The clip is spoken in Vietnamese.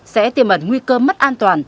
sẽ tiềm ẩn nguy cơ mất an toàn